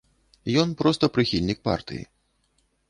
Ён проста прыхільнік партыі.